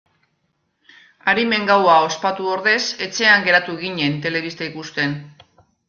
Arimen gaua ospatu ordez etxean geratu ginen telebista ikusten.